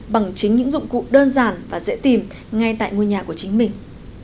bằng chính những dụng cụ đơn giản và dễ tìm ngay tại ngôi nhà của chính mình